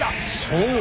そう。